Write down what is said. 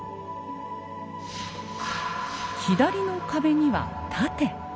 左の壁には盾。